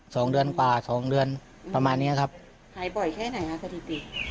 สองเดือนกว่าสองเดือนประมาณเนี้ยครับหายบ่อยแค่ไหนฮะสถิติ